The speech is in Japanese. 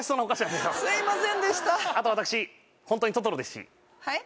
あと私ホントにトトロですしはい？